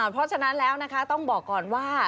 เพราะฉะนั้นแล้วนะคะต้องบอกก่อนว่า